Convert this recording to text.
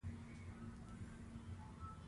په لنډ وخت کې د شګو تر غونډۍ واوښتل.